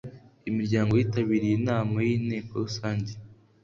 imiryango yitabiriye inama y Inteko Rusange